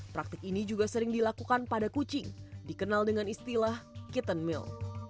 praktik ini juga sering dilakukan pada kucing dikenal dengan istilah kitten mill